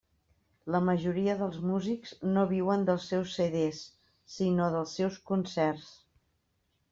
La majoria dels músics no viuen dels seus CD, sinó dels seus concerts.